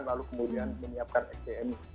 lalu kemudian menyiapkan sdm